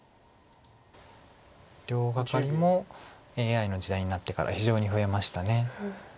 両ガカリもＡＩの時代になってから非常に増えました。